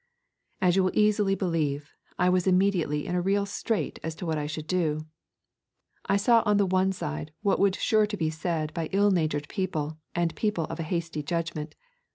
As you will easily believe, I was immediately in a real strait as to what I should do. I saw on the one side what would be sure to be said by ill natured people and people of a hasty judgment.